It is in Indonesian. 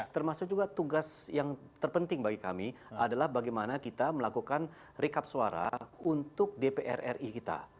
termasuk juga tugas yang terpenting bagi kami adalah bagaimana kita melakukan recap suara untuk dpr ri kita